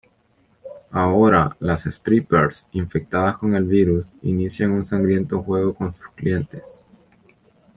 Ahora, las strippers, infectadas con el virus, inician un sangriento juego con sus clientes.